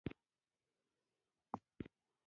بزګان د افغانستان د کلتوري میراث یوه برخه ده.